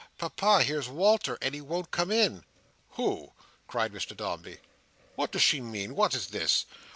Papa! Here's Walter! and he won't come in." "Who?" cried Mr Dombey. "What does she mean? What is this?"